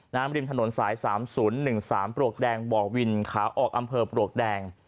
ริมถนนสาย๓๐๑๓ปลวกแดงบ่อวินขาออกอำเภอปลวกแดง